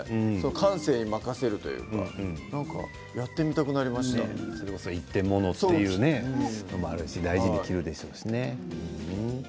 感性に任せるというか一点物というのもあるし大事に着るでしょうしね。